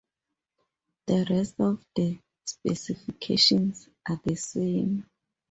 The rest of the specifications are the same.